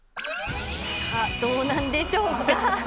どうなんでしょうか。